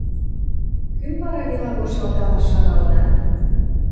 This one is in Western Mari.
Кӱм вара, Вилагош, алталаш шагалынат?